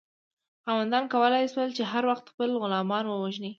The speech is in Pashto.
خاوندانو کولی شول چې هر وخت خپل غلامان ووژني.